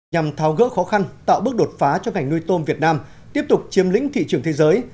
nhằm tháo gỡ khó khăn tạo bước đột phá cho ngành nuôi tôm việt nam tiếp tục chiếm lĩnh thị trường thế giới